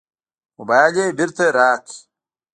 موبایل یې بېرته راکړ.